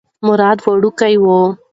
مراد وړوکی و.